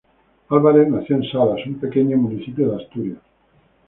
Álvarez nació en Salas, un pequeño municipio de Asturias.